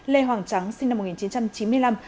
lê hoàng trắng sinh năm một nghìn chín trăm chín mươi năm